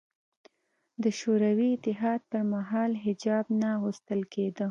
د شوروي اتحاد پر مهال حجاب نه اغوستل کېده